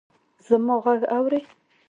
زما ږغ اورې!